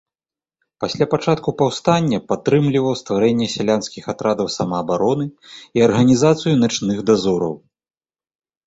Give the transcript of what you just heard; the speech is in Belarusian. Пасля пачатку паўстання падтрымліваў стварэнне сялянскіх атрадаў самаабароны і арганізацыю начных дазораў.